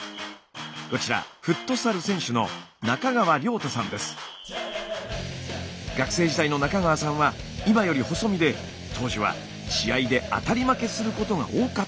こちら学生時代の中川さんは今より細身で当時は試合で当たり負けすることが多かったそうです。